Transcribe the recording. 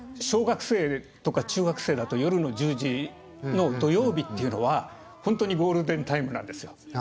小学生とか中学生だと夜の１０時の土曜日っていうのは本当にゴールデンタイムなんですよ。